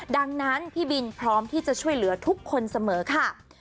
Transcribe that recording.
ดังนั้นพี่บินพร้อมที่จะช่วยเหลือทุกคนเสมอค่ะ